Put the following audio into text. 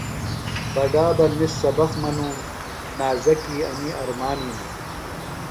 بڈا بہ ِنس سبق منُوم۔ نازکیۡ انیۡ ارمان ہِنیۡ